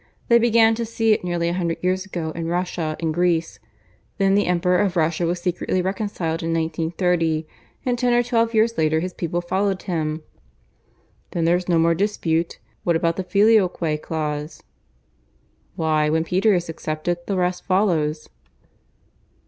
They began to see it nearly a hundred years ago in Russia and Greece. Then the Emperor of Russia was secretly reconciled in 1930; and ten or twelve years later his people followed him." "Then there's no more dispute? What about the Filioque clause?" "Why, when Peter is accepted, the rest follows."